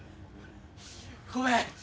ごめん！